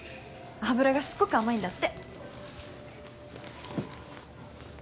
脂がすっごく甘いんだって。